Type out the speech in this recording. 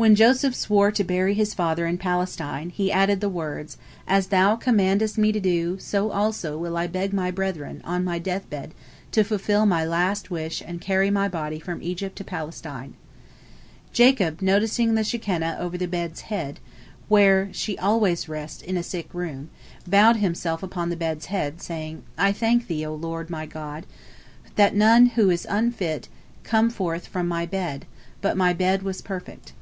When Joseph swore to bury his father in Palestine, he added the words, "As thou commandest me to do, so also will I beg my brethren, on my death bed, to fulfil my last wish and carry my body from Egypt to Palestine." Jacob, noticing the Shekinah over the bed's head, where she always rests in a sick room, bowed himself upon the bed's head, saying, "I thank thee, O Lord my God, that none who is unfit came forth from my bed, but my bed was perfect."